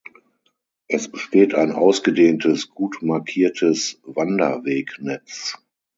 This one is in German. Es besteht ein ausgedehntes, gut markiertes Wanderwegnetz.